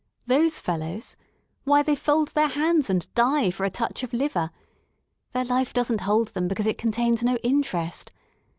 Those fellows! Why, they fold their hands and die for a touch of liver. Their life doesn't hold them because It contains no interest.